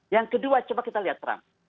yang kedua coba kita lihat trump